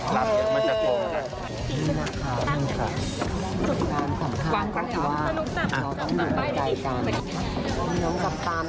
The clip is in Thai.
ลับไม่ใช่งง